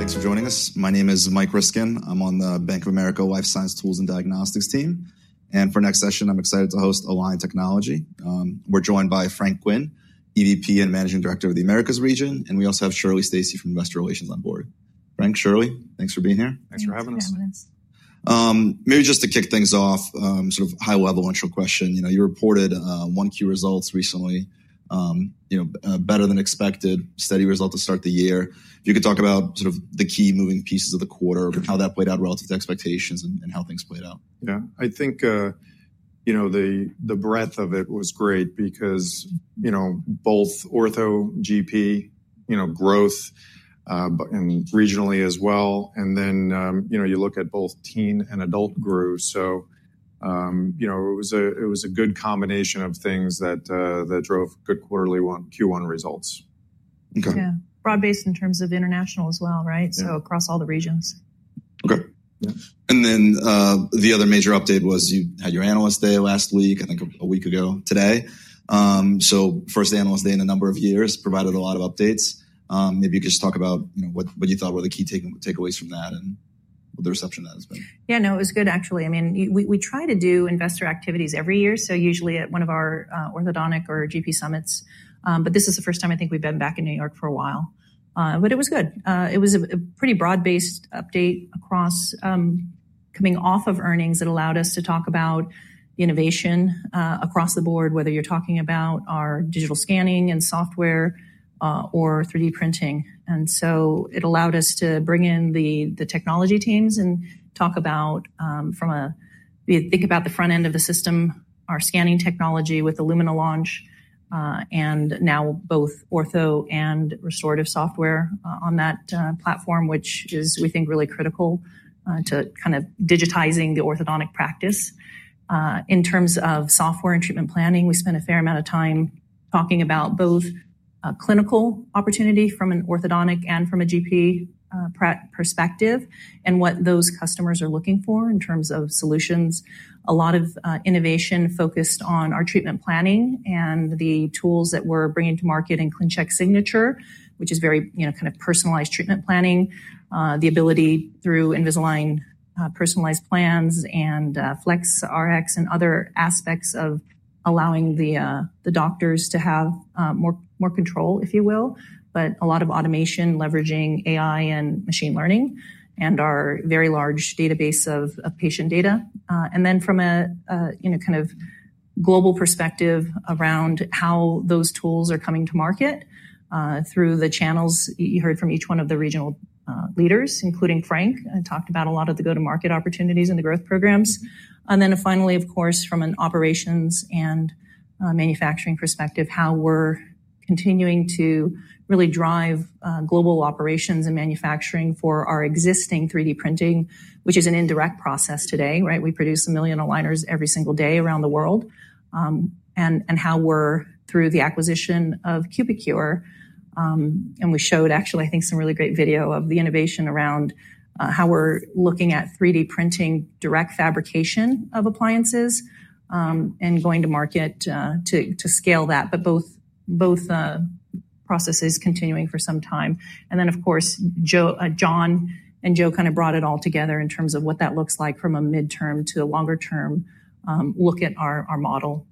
Thanks for joining us. My name is Mike Ryskin. I'm on the Bank of America Life Science Tools and Diagnostics team. For next session, I'm excited to host Align Technology. We're joined by Frank Quinn, EVP and Managing Director of the Americas Region. We also have Shirley Stacy from Investor Relations on board. Frank, Shirley, thanks for being here. Thanks for having us. Maybe just to kick things off, sort of high-level, intro question. You reported one key result recently, better than expected, steady result to start the year. If you could talk about sort of the key moving pieces of the quarter, how that played out relative to expectations, and how things played out. Yeah, I think the breadth of it was great because both ortho, GP, growth, and regionally as well. Then you look at both teen and adult growth. It was a good combination of things that drove good quarterly Q1 results. Yeah, broad-based in terms of international as well, right? So across all the regions. OK. And then the other major update was you had your analyst day last week, I think a week ago today. First analyst day in a number of years, provided a lot of updates. Maybe you could just talk about what you thought were the key takeaways from that and what the reception has been. Yeah, no, it was good, actually. I mean, we try to do investor activities every year, so usually at one of our orthodontic or GP summits. This is the first time I think we've been back in New York for a while. It was good. It was a pretty broad-based update across coming off of earnings that allowed us to talk about innovation across the board, whether you're talking about our digital scanning and software or 3D printing. It allowed us to bring in the technology teams and talk about, think about the front end of the system, our scanning technology with Illumina Launch, and now both ortho and restorative software on that platform, which is, we think, really critical to kind of digitizing the orthodontic practice. In terms of software and treatment planning, we spent a fair amount of time talking about both clinical opportunity from an orthodontic and from a GP perspective and what those customers are looking for in terms of solutions. A lot of innovation focused on our treatment planning and the tools that we're bringing to market in ClinCheck Signature, which is very kind of personalized treatment planning, the ability through Invisalign personalized plans and Flex Rx and other aspects of allowing the doctors to have more control, if you will, but a lot of automation leveraging AI and machine learning and our very large database of patient data. From a kind of global perspective around how those tools are coming to market through the channels you heard from each one of the regional leaders, including Frank, talked about a lot of the go-to-market opportunities and the growth programs. Finally, of course, from an operations and manufacturing perspective, how we're continuing to really drive global operations and manufacturing for our existing 3D printing, which is an indirect process today, right? We produce a million aligners every single day around the world. How we're, through the acquisition of Cubicure, and we showed, actually, I think, some really great video of the innovation around how we're looking at 3D printing direct fabrication of appliances and going to market to scale that. Both processes continuing for some time. Of course, John and Joe kind of brought it all together in terms of what that looks like from a midterm to a longer-term look at our model.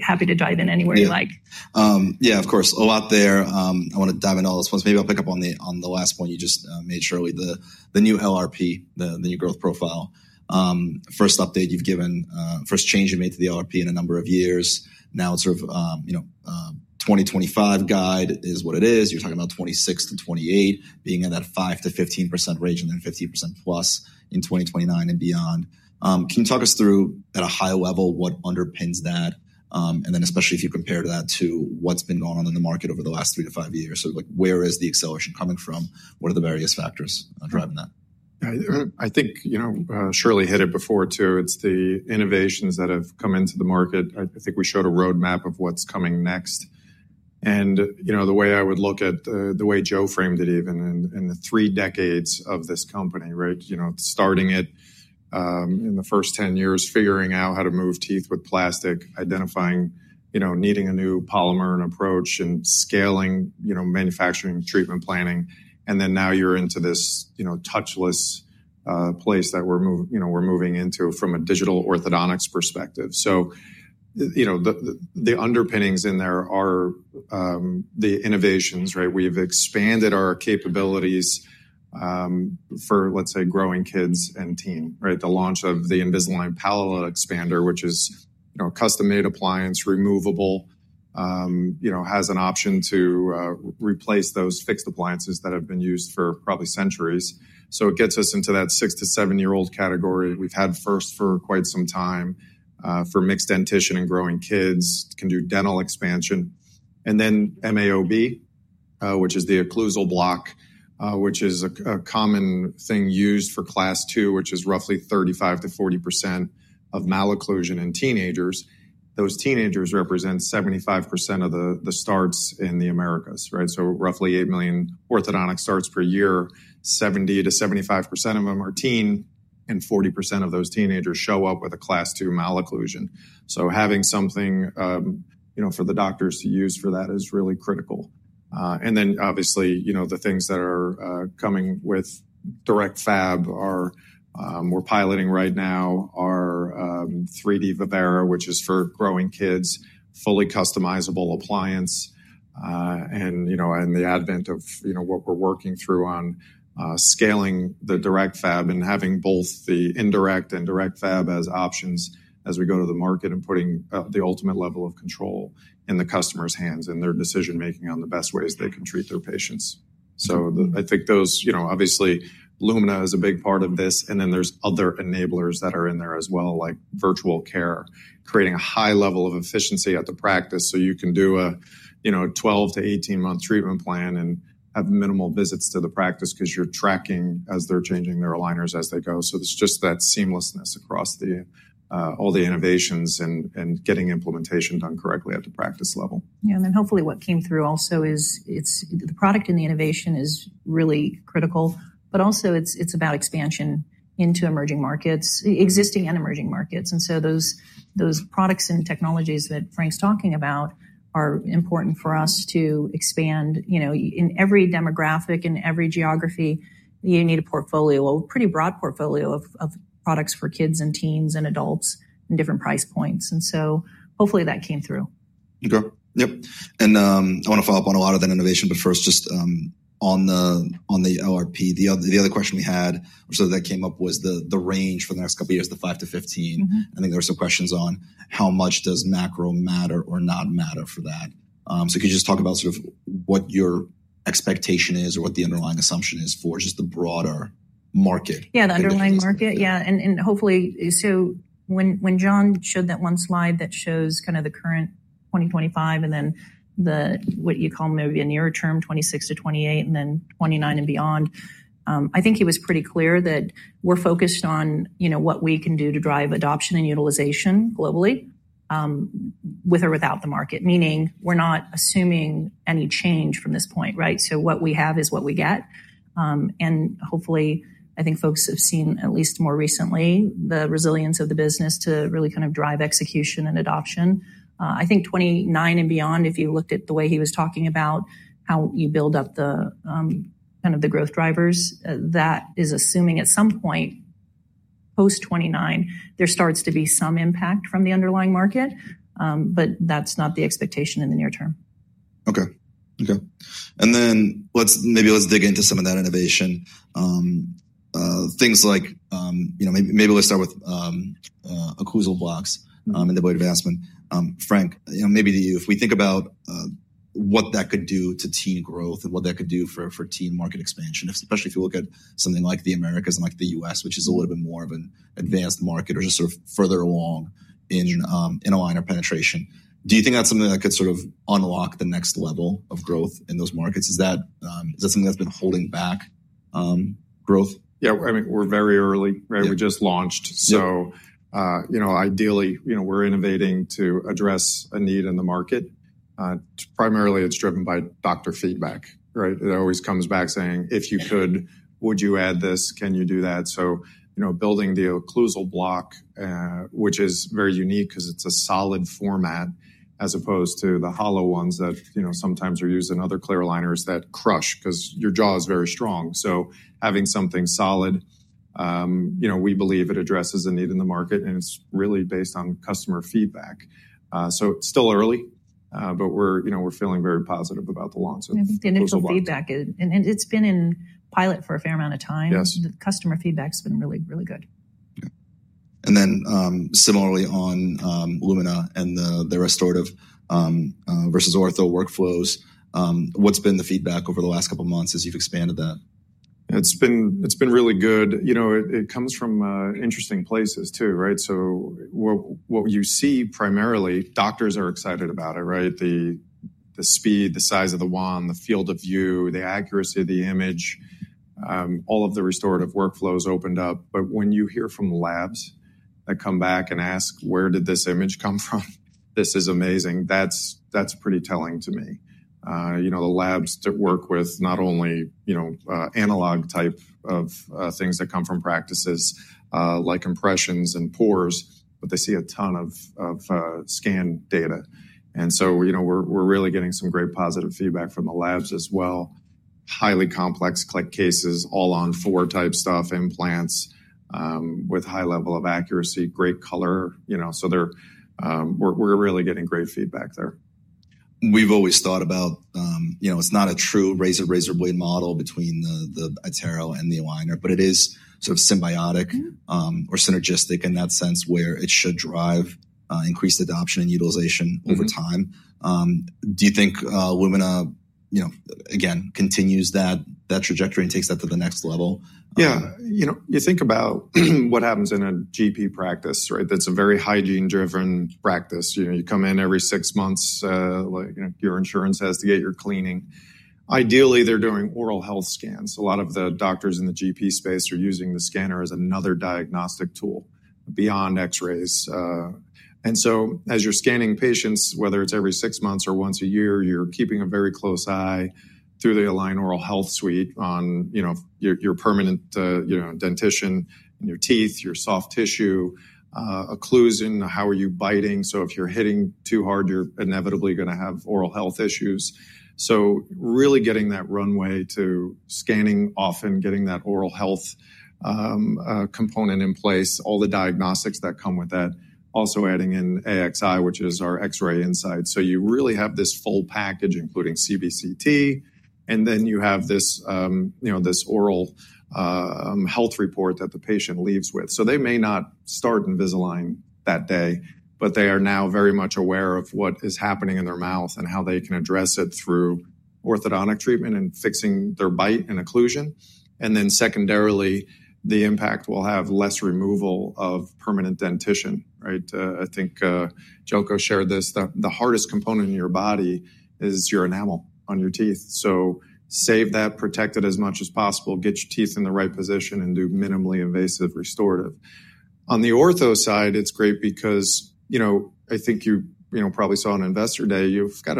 Happy to dive in anywhere you like. Yeah, of course. A lot there. I want to dive into all those points. Maybe I'll pick up on the last point you just made, Shirley, the new LRP, the new growth profile. First update you've given, first change you made to the LRP in a number of years. Now it's sort of 2025 guide is what it is. You're talking about 2026-2028 being in that 5%-15% range and then 15% plus in 2029 and beyond. Can you talk us through, at a high level, what underpins that? And then especially if you compare that to what's been going on in the market over the last three to five years. Where is the acceleration coming from? What are the various factors driving that? I think Shirley hit it before, too. It's the innovations that have come into the market. I think we showed a roadmap of what's coming next. The way I would look at the way Joe framed it, even, in the three decades of this company, right? Starting it in the first 10 years, figuring out how to move teeth with plastic, identifying, needing a new polymer and approach, and scaling manufacturing treatment planning. Now you're into this touchless place that we're moving into from a digital orthodontics perspective. The underpinnings in there are the innovations, right? We've expanded our capabilities for, let's say, growing kids and teen, right? The launch of the Invisalign Palatal Expander, which is a custom-made appliance, removable, has an option to replace those fixed appliances that have been used for probably centuries. It gets us into that six to seven-year-old category. We've had first for quite some time for mixed dentition and growing kids, can do dental expansion. MAOB, which is the occlusal block, which is a common thing used for class two, which is roughly 35%-40% of malocclusion in teenagers. Those teenagers represent 75% of the starts in the Americas, right? Roughly 8 million orthodontic starts per year, 70%-75% of them are teen, and 40% of those teenagers show up with a class two malocclusion. Having something for the doctors to use for that is really critical. Obviously, the things that are coming with direct fab are we're piloting right now are 3D Vivara, which is for growing kids, fully customizable appliance. The advent of what we're working through on scaling the direct fab and having both the indirect and direct fab as options as we go to the market and putting the ultimate level of control in the customer's hands and their decision-making on the best ways they can treat their patients. I think those, obviously, Illumina is a big part of this. There are other enablers that are in there as well, like virtual care, creating a high level of efficiency at the practice so you can do a 12-18 month treatment plan and have minimal visits to the practice because you're tracking as they're changing their aligners as they go. It is just that seamlessness across all the innovations and getting implementation done correctly at the practice level. Yeah, and then hopefully what came through also is the product and the innovation is really critical, but also it is about expansion into emerging markets, existing and emerging markets. Those products and technologies that Frank is talking about are important for us to expand. In every demographic, in every geography, you need a portfolio, a pretty broad portfolio of products for kids and teens and adults in different price points. Hopefully that came through. OK, yep. I want to follow up on a lot of that innovation, but first just on the LRP, the other question we had, or that came up, was the range for the next couple of years, the 5%-15%. I think there were some questions on how much does macro matter or not matter for that. Could you just talk about sort of what your expectation is or what the underlying assumption is for just the broader market? Yeah, the underlying market, yeah. Hopefully, when John showed that one slide that shows kind of the current 2025 and then what you call maybe a nearer term, 2026-2028, and then 2029 and beyond, I think he was pretty clear that we're focused on what we can do to drive adoption and utilization globally with or without the market, meaning we're not assuming any change from this point, right? What we have is what we get. Hopefully, I think folks have seen, at least more recently, the resilience of the business to really kind of drive execution and adoption. I think 2029 and beyond, if you looked at the way he was talking about how you build up the kind of the growth drivers, that is assuming at some point post-2029, there starts to be some impact from the underlying market, but that's not the expectation in the near term. OK, OK. Maybe let's dig into some of that innovation. Things like maybe let's start with occlusal blocks and the void advancement. Frank, maybe if we think about what that could do to teen growth and what that could do for teen market expansion, especially if you look at something like the Americas and like the U.S., which is a little bit more of an advanced market or just sort of further along in aligner penetration, do you think that's something that could sort of unlock the next level of growth in those markets? Is that something that's been holding back growth? Yeah, I mean, we're very early, right? We just launched. Ideally, we're innovating to address a need in the market. Primarily, it's driven by doctor feedback, right? It always comes back saying, if you could, would you add this? Can you do that? Building the occlusal block, which is very unique because it's a solid format as opposed to the hollow ones that sometimes are used in other clear aligners that crush because your jaw is very strong. Having something solid, we believe it addresses a need in the market, and it's really based on customer feedback. Still early, but we're feeling very positive about the launch. I think the initial feedback, and it's been in pilot for a fair amount of time. The customer feedback has been really, really good. Yeah. And then similarly on Illumina and the restorative versus ortho workflows, what's been the feedback over the last couple of months as you've expanded that? It's been really good. It comes from interesting places, too, right? What you see primarily, doctors are excited about it, right? The speed, the size of the wand, the field of view, the accuracy of the image, all of the restorative workflows opened up. When you hear from labs that come back and ask, where did this image come from? This is amazing. That's pretty telling to me. The labs that work with not only analog type of things that come from practices like impressions and pours, but they see a ton of scan data. We are really getting some great positive feedback from the labs as well. Highly complex click cases, all-on-four type stuff, implants with high level of accuracy, great color. We are really getting great feedback there. We've always thought about it's not a true razor-razor blade model between the iTero and the aligner, but it is sort of symbiotic or synergistic in that sense where it should drive increased adoption and utilization over time. Do you think Illumina, again, continues that trajectory and takes that to the next level? Yeah. You think about what happens in a GP practice, right? That's a very hygiene-driven practice. You come in every six months. Your insurance has to get your cleaning. Ideally, they're doing oral health scans. A lot of the doctors in the GP space are using the scanner as another diagnostic tool beyond X-rays. As you're scanning patients, whether it's every six months or once a year, you're keeping a very close eye through the Align Oral Health Suite on your permanent dentition and your teeth, your soft tissue, occlusion, how are you biting? If you're hitting too hard, you're inevitably going to have oral health issues. Really getting that runway to scanning often, getting that oral health component in place, all the diagnostics that come with that, also adding in AXI, which is our X-ray inside. You really have this full package, including CBCT, and then you have this oral health report that the patient leaves with. They may not start Invisalign that day, but they are now very much aware of what is happening in their mouth and how they can address it through orthodontic treatment and fixing their bite and occlusion. Secondarily, the impact will have less removal of permanent dentition, right? I think Joe Hogan shared this. The hardest component in your body is your enamel on your teeth. Save that, protect it as much as possible, get your teeth in the right position, and do minimally invasive restorative. On the ortho side, it's great because I think you probably saw on Investor Day, you've got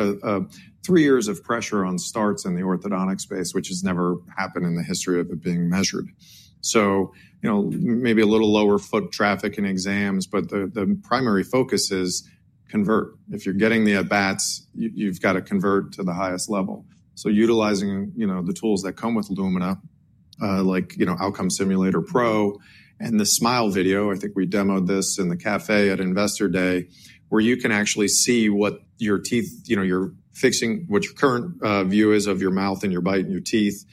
three years of pressure on starts in the orthodontic space, which has never happened in the history of it being measured. Maybe a little lower foot traffic in exams, but the primary focus is convert. If you're getting the at-bats, you've got to convert to the highest level. Utilizing the tools that come with Illumina, like Outcome Simulator Pro and the Smile Video, I think we demoed this in the cafe at Investor Day, where you can actually see what your teeth, you're fixing, what your current view is of your mouth and your bite and your teeth.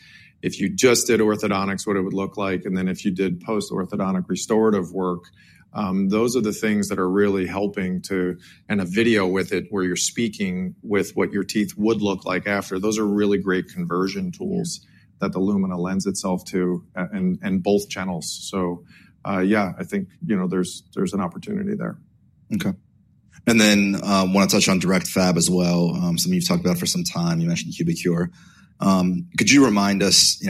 If you just did orthodontics, what it would look like, and then if you did post-orthodontic restorative work, those are the things that are really helping to, and a video with it where you're speaking with what your teeth would look like after. Those are really great conversion tools that the Illumina lends itself to in both channels. I think there's an opportunity there. OK. I want to touch on direct fab as well. Something you've talked about for some time. You mentioned Cubicure. Could you remind us,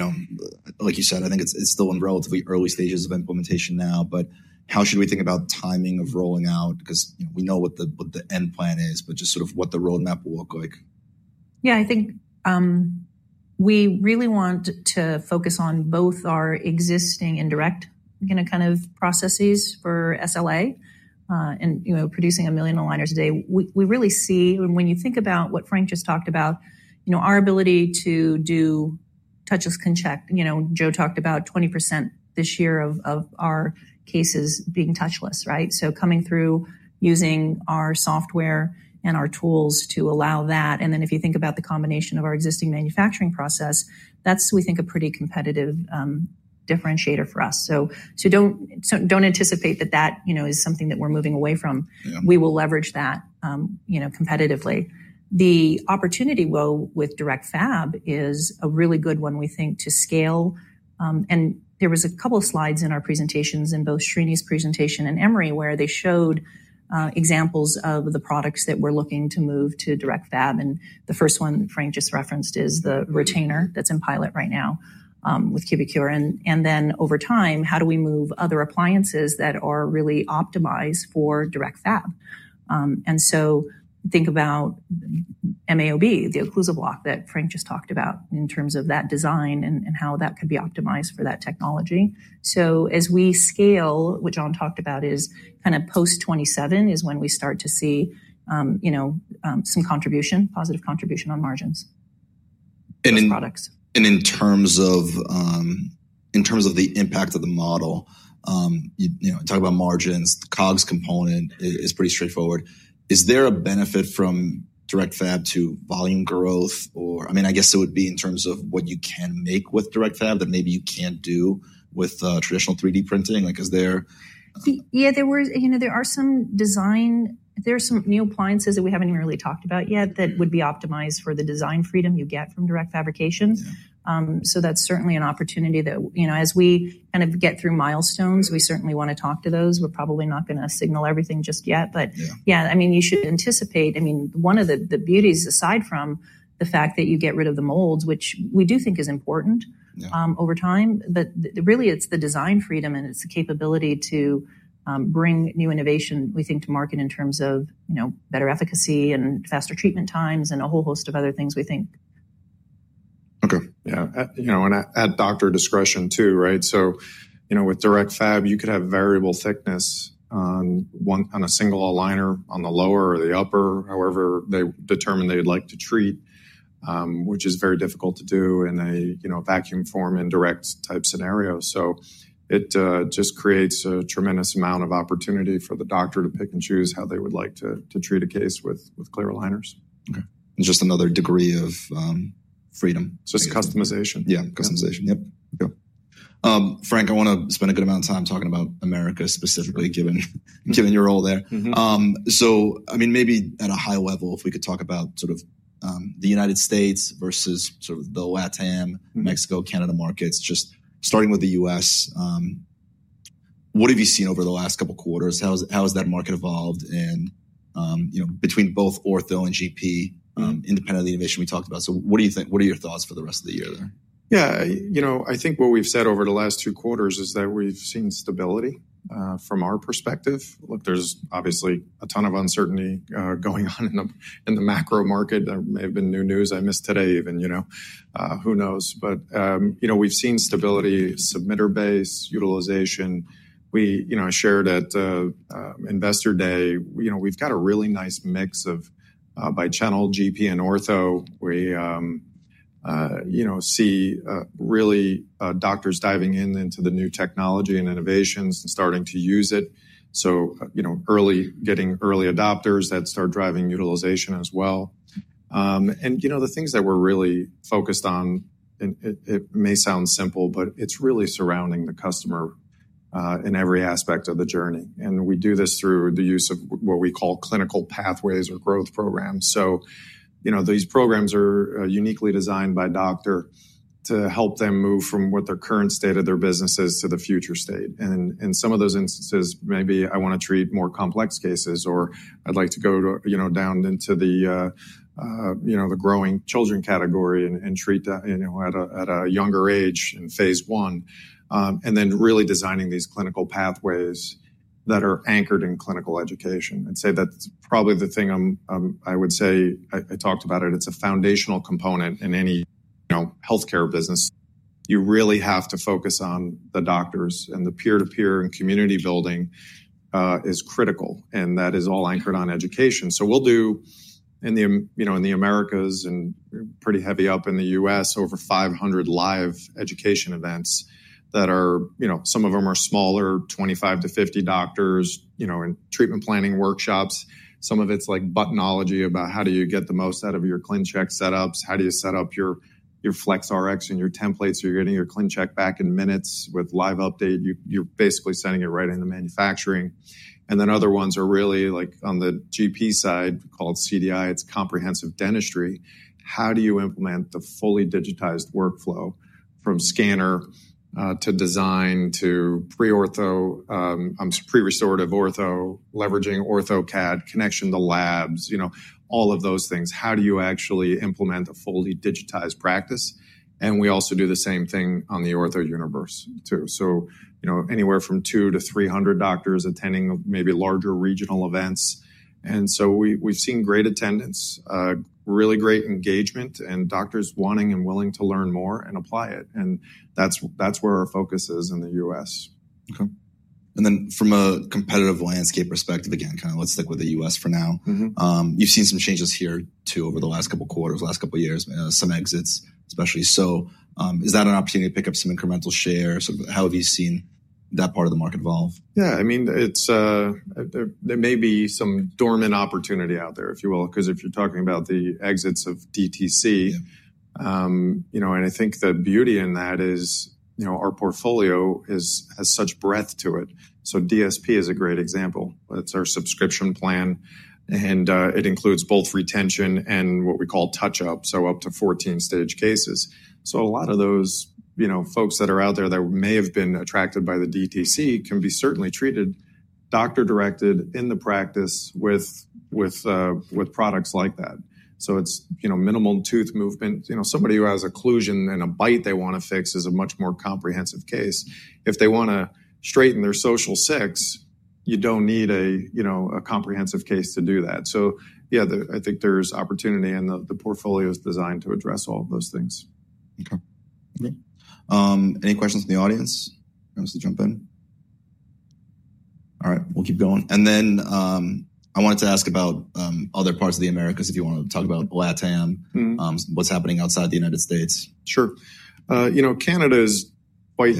like you said, I think it's still in relatively early stages of implementation now, but how should we think about timing of rolling out? Because we know what the end plan is, but just sort of what the roadmap will look like? Yeah, I think we really want to focus on both our existing indirect kind of processes for SLA and producing a million aligners a day. We really see, and when you think about what Frank just talked about, our ability to do touchless, Joe talked about 20% this year of our cases being touchless, right? Coming through, using our software and our tools to allow that. If you think about the combination of our existing manufacturing process, that is, we think, a pretty competitive differentiator for us. Do not anticipate that that is something that we are moving away from. We will leverage that competitively. The opportunity, though, with direct fab is a really good one, we think, to scale. There was a couple of slides in our presentations in both Srini's presentation and Emory where they showed examples of the products that we're looking to move to direct fab. The first one Frank just referenced is the retainer that's in pilot right now with Cubicure. Over time, how do we move other appliances that are really optimized for direct fab? Think about MAOB, the occlusal block that Frank just talked about in terms of that design and how that could be optimized for that technology. As we scale, what John talked about is kind of post-2027 is when we start to see some contribution, positive contribution on margins in products. In terms of the impact of the model, talk about margins, the COGS component is pretty straightforward. Is there a benefit from direct fab to volume growth? I mean, I guess it would be in terms of what you can make with direct fab that maybe you can't do with traditional 3D printing. Like is there. Yeah, there are some design, there are some new appliances that we haven't really talked about yet that would be optimized for the design freedom you get from direct fabrication. That is certainly an opportunity that as we kind of get through milestones, we certainly want to talk to those. We're probably not going to signal everything just yet, but yeah, I mean, you should anticipate. I mean, one of the beauties, aside from the fact that you get rid of the molds, which we do think is important over time, but really it's the design freedom and it's the capability to bring new innovation, we think, to market in terms of better efficacy and faster treatment times and a whole host of other things, we think. OK, yeah. And at doctor discretion, too, right? With direct fab, you could have variable thickness on a single aligner on the lower or the upper, however they determine they'd like to treat, which is very difficult to do in a vacuum form, indirect type scenario. It just creates a tremendous amount of opportunity for the doctor to pick and choose how they would like to treat a case with clear aligners. OK. Just another degree of freedom. Just customization. Yeah, customization. Yep. OK. Frank, I want to spend a good amount of time talking about America specifically, given your role there. I mean, maybe at a high level, if we could talk about sort of the United States versus sort of the LATAM, Mexico, Canada markets, just starting with the U.S., what have you seen over the last couple of quarters? How has that market evolved between both ortho and GP, independent of the innovation we talked about? What do you think? What are your thoughts for the rest of the year there? Yeah, you know, I think what we've said over the last two quarters is that we've seen stability from our perspective. Look, there's obviously a ton of uncertainty going on in the macro market. There may have been new news. I missed today even. Who knows? But we've seen stability, submitter base, utilization. I shared at Investor Day, we've got a really nice mix of bi-channel, GP, and ortho. We see really doctors diving into the new technology and innovations and starting to use it. Getting early adopters that start driving utilization as well. The things that we're really focused on, it may sound simple, but it's really surrounding the customer in every aspect of the journey. We do this through the use of what we call clinical pathways or growth programs. These programs are uniquely designed by doctor to help them move from what their current state of their business is to the future state. In some of those instances, maybe I want to treat more complex cases, or I'd like to go down into the growing children category and treat that at a younger age in phase one. Then really designing these clinical pathways that are anchored in clinical education. I'd say that's probably the thing I would say I talked about. It's a foundational component in any health care business. You really have to focus on the doctors, and the peer-to-peer and community building is critical, and that is all anchored on education. We'll do, in the Americas and pretty heavy up in the U.S., over 500 live education events that are, some of them are smaller, 25-50 doctors in treatment planning workshops. Some of it's like buttonology about how do you get the most out of your ClinCheck setups? How do you set up your FlexRx and your templates? You're getting your ClinCheck back in minutes with live update. You're basically sending it right into manufacturing. Other ones are really like on the GP side called CDI. It's comprehensive dentistry. How do you implement the fully digitized workflow from scanner to design to pre-ortho, pre-restorative ortho, leveraging OrthoCAD connection to labs, all of those things? How do you actually implement a fully digitized practice? We also do the same thing on the ortho universe, too. Anywhere from 200 to 300 doctors attending, maybe larger regional events. We have seen great attendance, really great engagement, and doctors wanting and willing to learn more and apply it. That is where our focus is in the U.S. OK. From a competitive landscape perspective, again, kind of let's stick with the U.S. for now. You've seen some changes here, too, over the last couple of quarters, last couple of years, some exits, especially. Is that an opportunity to pick up some incremental share? Sort of how have you seen that part of the market evolve? Yeah, I mean, there may be some dormant opportunity out there, if you will, because if you're talking about the exits of DTC, and I think the beauty in that is our portfolio has such breadth to it. So DSP is a great example. It's our subscription plan, and it includes both retention and what we call touch-up, so up to 14-stage cases. So a lot of those folks that are out there that may have been attracted by the DTC can be certainly treated doctor-directed in the practice with products like that. It's minimal tooth movement. Somebody who has occlusion and a bite they want to fix is a much more comprehensive case. If they want to straighten their social six, you don't need a comprehensive case to do that. Yeah, I think there's opportunity, and the portfolio is designed to address all of those things. OK. Any questions from the audience? Want us to jump in? All right, we'll keep going. I wanted to ask about other parts of the Americas, if you want to talk about LATAM, what's happening outside the United States. Sure. Canada is quite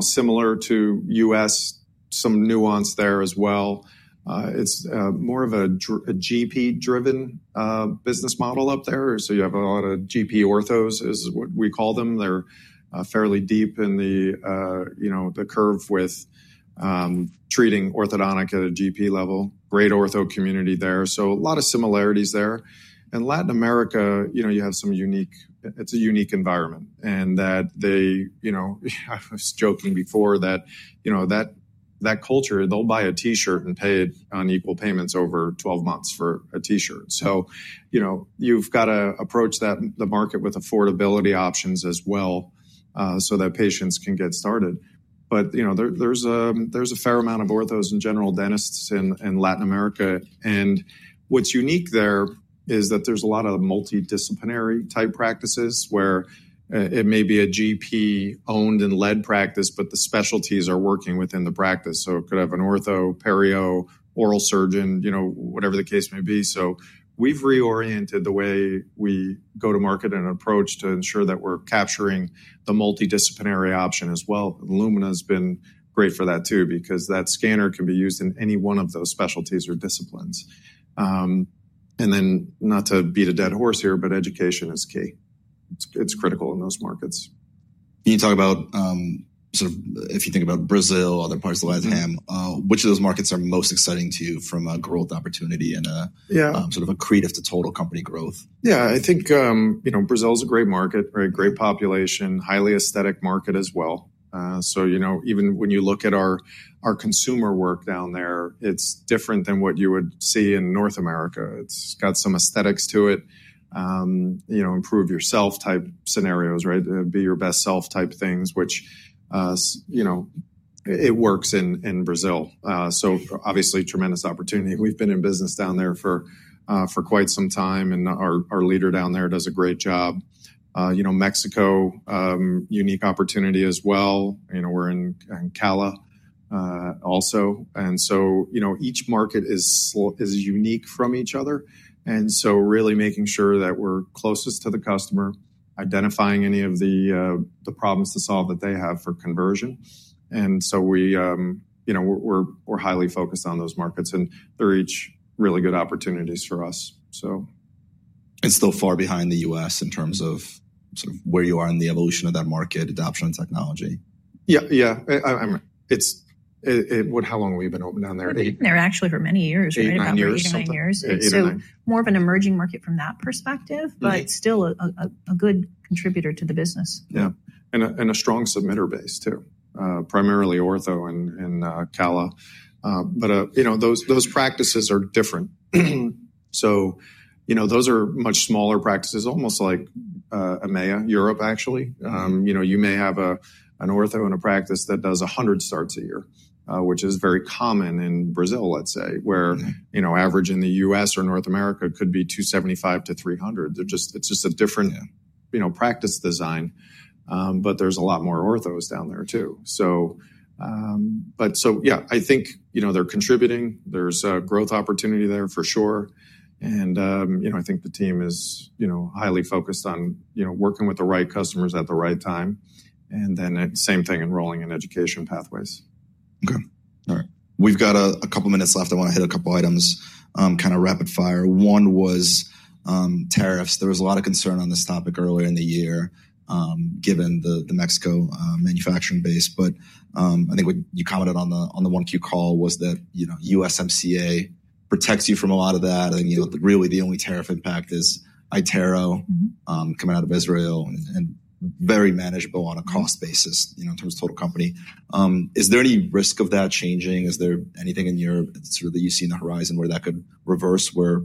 similar to the U.S., some nuance there as well. It's more of a GP-driven business model up there. You have a lot of GP orthos, is what we call them. They're fairly deep in the curve with treating orthodontic at a GP level, great ortho community there. A lot of similarities there. In Latin America, you have some unique, it's a unique environment. I was joking before that that culture, they'll buy a T-shirt and pay it on equal payments over 12 months for a T-shirt. You have to approach the market with affordability options as well so that patients can get started. There is a fair amount of orthos and general dentists in Latin America. What's unique there is that there's a lot of multidisciplinary type practices where it may be a GP-owned and led practice, but the specialties are working within the practice. It could have an ortho, perio, oral surgeon, whatever the case may be. We have reoriented the way we go to market and approach to ensure that we're capturing the multidisciplinary option as well. Illumina has been great for that, too, because that scanner can be used in any one of those specialties or disciplines. Not to beat a dead horse here, but education is key. It's critical in those markets. Can you talk about sort of if you think about Brazil, other parts of LATAM, which of those markets are most exciting to you from a growth opportunity and sort of accretive to total company growth? Yeah, I think Brazil is a great market, great population, highly aesthetic market as well. Even when you look at our consumer work down there, it's different than what you would see in North America. It's got some aesthetics to it, improve yourself type scenarios, right? Be your best self type things, which it works in Brazil. Obviously, tremendous opportunity. We've been in business down there for quite some time, and our leader down there does a great job. Mexico, unique opportunity as well. We're in CALA also. Each market is unique from each other. Really making sure that we're closest to the customer, identifying any of the problems to solve that they have for conversion. We're highly focused on those markets, and they're each really good opportunities for us. Still far behind the U.S. in terms of sort of where you are in the evolution of that market, adoption and technology. Yeah, yeah. How long have we been open down there? They're actually for many years, right? About seven years. More of an emerging market from that perspective, but still a good contributor to the business. Yeah. And a strong submitter base, too, primarily ortho in CALA. Those practices are different. Those are much smaller practices, almost like EMEA, Europe actually. You may have an ortho in a practice that does 100 starts a year, which is very common in Brazil, let's say, where average in the U.S. or North America could be 275-300. It is just a different practice design. There are a lot more orthos down there, too. Yeah, I think they are contributing. There is a growth opportunity there for sure. I think the team is highly focused on working with the right customers at the right time. Same thing enrolling in education pathways. OK. All right. We've got a couple of minutes left. I want to hit a couple of items, kind of rapid fire. One was tariffs. There was a lot of concern on this topic earlier in the year, given the Mexico manufacturing base. I think what you commented on the Q1 call was that USMCA protects you from a lot of that. Really the only tariff impact is iTero coming out of Israel and very manageable on a cost basis in terms of total company. Is there any risk of that changing? Is there anything in Europe that you see on the horizon where that could reverse, where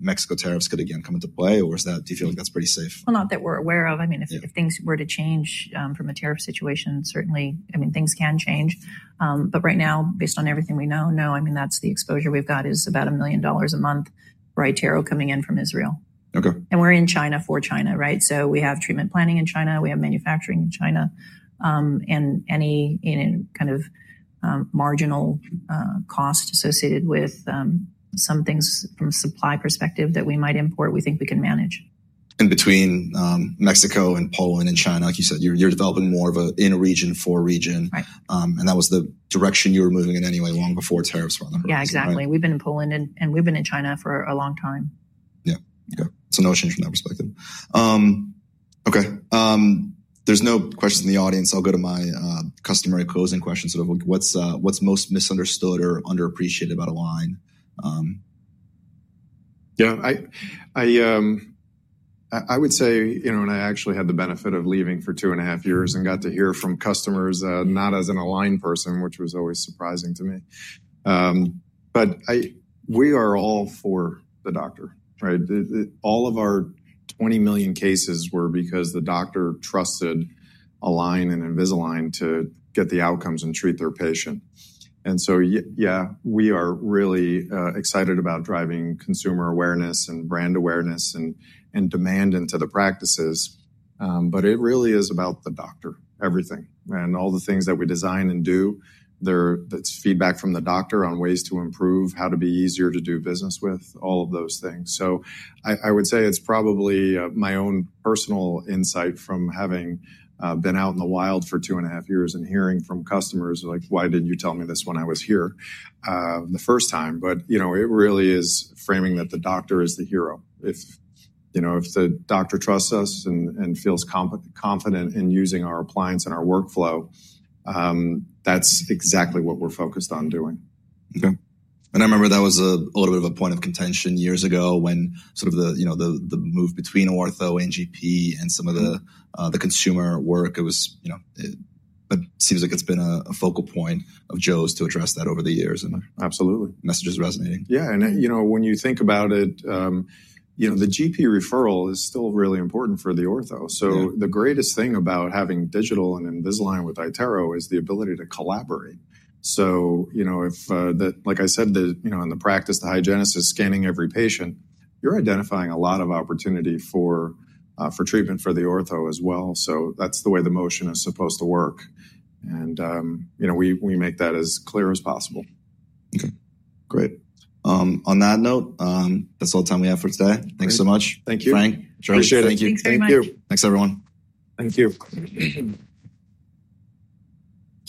Mexico tariffs could again come into play? Do you feel like that's pretty safe? Not that we're aware of. I mean, if things were to change from a tariff situation, certainly, I mean, things can change. Right now, based on everything we know, no. I mean, that's the exposure we've got is about $1 million a month for iTero coming in from Israel. We're in China for China, right? We have treatment planning in China. We have manufacturing in China. Any kind of marginal cost associated with some things from a supply perspective that we might import, we think we can manage. Between Mexico and Poland and China, like you said, you're developing more of an in-region, for-region. That was the direction you were moving in anyway, long before tariffs were on the horizon. Yeah, exactly. We've been in Poland, and we've been in China for a long time. Yeah. OK. So no change from that perspective. OK. There's no questions in the audience. I'll go to my customer closing questions. Sort of what's most misunderstood or underappreciated about Align? Yeah. I would say, and I actually had the benefit of leaving for two and a half years and got to hear from customers, not as an Align person, which was always surprising to me. We are all for the doctor, right? All of our 20 million cases were because the doctor trusted Align and Invisalign to get the outcomes and treat their patient. Yeah, we are really excited about driving consumer awareness and brand awareness and demand into the practices. It really is about the doctor, everything. All the things that we design and do, that's feedback from the doctor on ways to improve, how to be easier to do business with, all of those things. I would say it's probably my own personal insight from having been out in the wild for two and a half years and hearing from customers like, why didn't you tell me this when I was here the first time? It really is framing that the doctor is the hero. If the doctor trusts us and feels confident in using our appliance and our workflow, that's exactly what we're focused on doing. OK. I remember that was a little bit of a point of contention years ago when sort of the move between ortho and GP and some of the consumer work. It seems like it's been a focal point of Joe's to address that over the years. Absolutely. Messages resonating. Yeah. When you think about it, the GP referral is still really important for the ortho. The greatest thing about having digital and Invisalign with iTero is the ability to collaborate. Like I said, in the practice, the hygienist is scanning every patient. You're identifying a lot of opportunity for treatment for the ortho as well. That is the way the motion is supposed to work. We make that as clear as possible. OK. Great. On that note, that's all the time we have for today. Thanks so much, Frank. Thank you. Appreciate it. Thank you. Thanks, everyone. Thank you. Thank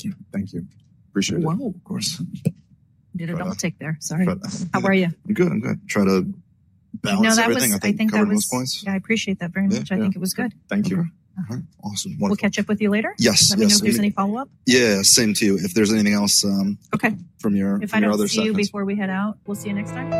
you. Thank you. Appreciate it. Of course. Did a double take there. Sorry. How are you? I'm good. I'm good. Try to balance everything. I think that was. Yeah, I appreciate that very much. I think it was good. Thank you. Awesome. We'll catch up with you later. Yes. Let me know if there's any follow-up. Yeah, same to you. If there's anything else from your other section. If I don't see you before we head out, we'll see you next time.